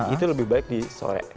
itu lebih baik di sore